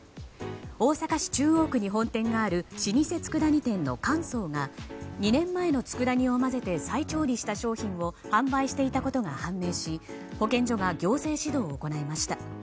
大阪市中央区に本店がある老舗つくだ煮店の神宗が２年前のつくだ煮を混ぜて再調理した商品を販売していたことが判明し保健所が行政指導を行いました。